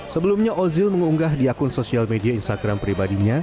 sebelumnya ozil mengunggah di akun sosial media instagram pribadinya